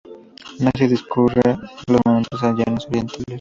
Nace y discurre por los montes Sayanes orientales.